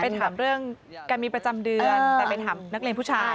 ถามเรื่องการมีประจำเดือนแต่ไปถามนักเรียนผู้ชาย